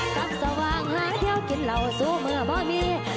จับสว่างแล้วเดี๋ยวกินเหล่าสู้เมื่อบ่มี